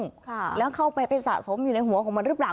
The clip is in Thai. ค่ะแล้วเข้าไปไปสะสมอยู่ในหัวของมันหรือเปล่า